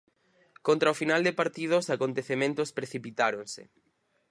Contra o final de partido os acontecementos precipitáronse.